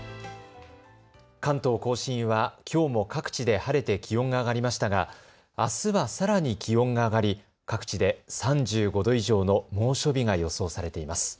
関東甲信はきょうも各地で晴れて気温が上がりましたがあすはさらに気温が上がり各地で３５度以上の猛暑日が予想されています。